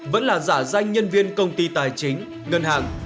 vẫn là giả danh nhân viên công ty tài chính ngân hàng